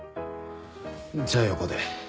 じゃあ横で。